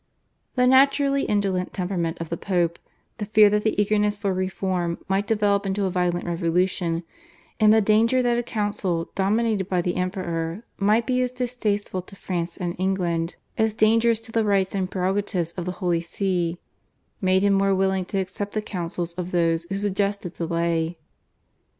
The naturally indolent temperament of the Pope, the fear that the eagerness for reform might develop into a violent revolution, and the danger that a council dominated by the Emperor might be as distasteful to France and England as dangerous to the rights and prerogatives of the Holy See, made him more willing to accept the counsels of those who suggested delay.